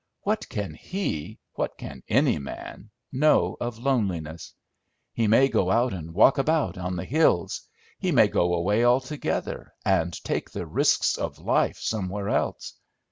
What can he, what can any man, know of loneliness? He may go out and walk about on the hills; he may go away altogether, and take the risks of life somewhere else.